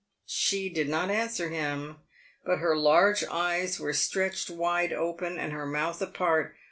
She did not answer him, but her large eyes were stretched wide open, and her mouth apart.